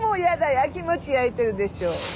焼きもち焼いてるでしょ？